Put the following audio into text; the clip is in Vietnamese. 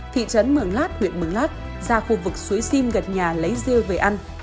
thị trấn mường lát huyện mường lát ra khu vực suối sim gật nhà lấy rêu về ăn